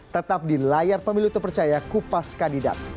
tetap di layar pemilu terpercaya kupas kandidat